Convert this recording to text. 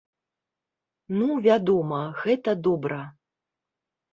Ну, вядома, гэта добра.